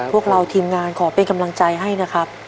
พวกเราทีมงานขอเป็นกำลังใจให้นะครับ